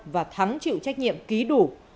và thắng chịu trách nhiệm ký đủ